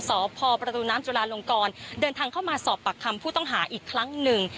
สพประตูน้ำจุลาลงกรเดินทางเข้ามาสอบปากคำผู้ต้องหาอีกครั้งหนึ่ง